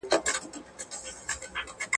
چي مي د اوښکو لاره ستړې له ګرېوانه سوله.